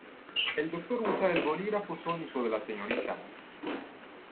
El Doctor usa el bolígrafo sónico de la Srta.